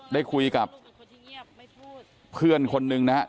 ได้คุยกับเพื่อนคนนึงนะฮะ